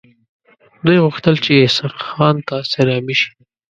دوی غوښتل چې اسحق خان ته سلامي شي.